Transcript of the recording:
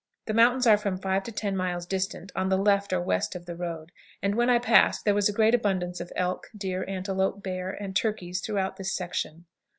The mountains are from five to ten miles distant, on the left or west of the road, and when I passed there was a great abundance of elk, deer, antelope, bear, and turkeys throughout this section.